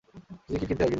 যদি কিট কিনতে হয়, কিনবে।